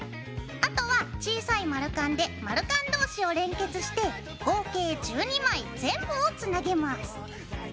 あとは小さい丸カンで丸カン同士を連結して合計１２枚全部をつなげます。